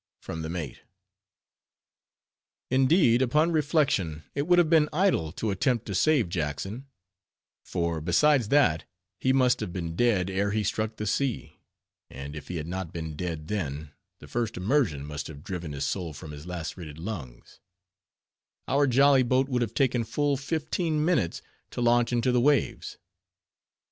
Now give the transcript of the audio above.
from the mate. Indeed, upon reflection, it would have been idle to attempt to save Jackson; for besides that he must have been dead, ere he struck the sea—and if he had not been dead then, the first immersion must have driven his soul from his lacerated lungs—our jolly boat would have taken full fifteen minutes to launch into the waves.